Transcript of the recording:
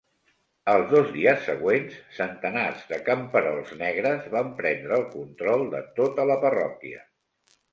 Els dos dies següents, centenars de camperols negres van prendre el control de tota la parròquia.